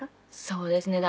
そうですね。